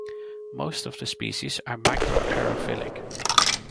Most of the species are microaerophilic.